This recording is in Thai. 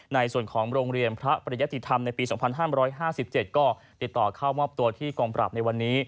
ในส่วนของโรงเรียนพระปริยติธรรมในปี๒๕๕๗ก็ติดต่อเข้ามอบตัวที่กองปราบในวันนี้